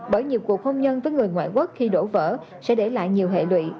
bởi nhiều cuộc không nhân với người ngoại quốc khi đổ vỡ sẽ để lại nhiều hệ lụy